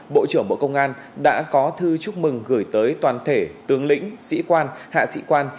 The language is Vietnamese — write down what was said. bộ trưởng bộ công an đã có thư chúc mừng gửi tới toàn thể tướng lĩnh sĩ quan hạ sĩ quan